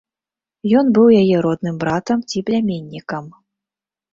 Ён быў яе родным братам ці пляменнікам.